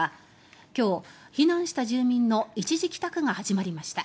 今日、避難した住民の一時帰宅が始まりました。